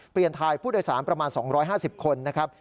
ถ่ายผู้โดยสารประมาณ๒๕๐คนนะครับ